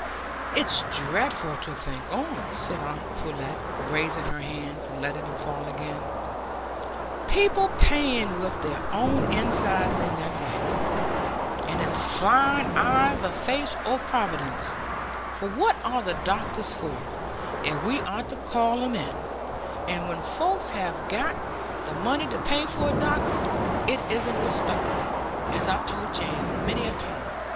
"It's dreadful to think on," said aunt Pullet, raising her hands and letting them fall again, "people playing with their own insides in that way! And it's flying i' the face o' Providence; for what are the doctors for, if we aren't to call 'em in? And when folks have got the money to pay for a doctor, it isn't respectable, as I've told Jane many a time.